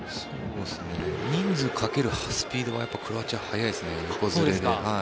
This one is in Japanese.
人数をかけるスピードがクロアチアは速いですね横ずれが。